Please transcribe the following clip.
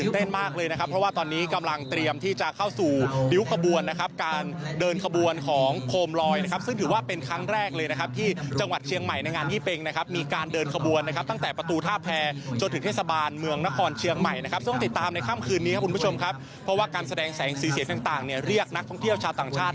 เพราะว่าการแสดงแสงซื้อเสียต่างเรียกนักท่องเที่ยวชาวต่างชาติ